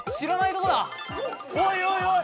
おいおいおい！